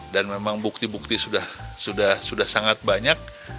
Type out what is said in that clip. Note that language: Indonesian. dan memang bukti bukti sudah sangat banyak